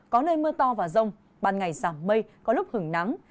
có nơi mưa to và rông ban ngày giảm mây có lúc hứng nắng